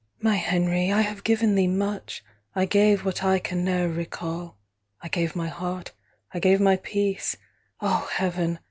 'My Henry, I have given thee much, I gave what I can ne'er recall, 30 I gave my heart, I gave my peace, O Heaven!